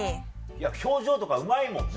表情とかうまいもんね。